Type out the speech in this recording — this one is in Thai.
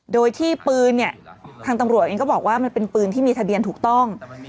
โดยที่ปืนเนี่ยทางตำรวจเองก็บอกว่ามันเป็นปืนที่มีทะเบียนถูกต้อง